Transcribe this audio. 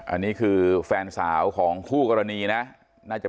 อันนี้คือแฟนสาวของคู่กรณีนะน่าจะ